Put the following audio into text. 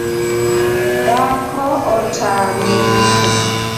Dhako otame rito